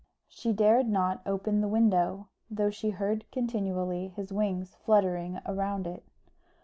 She dared not open the window, though she heard continually his wings fluttering round it.